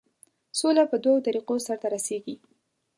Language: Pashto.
سوله په دوو طریقو سرته رسیږي.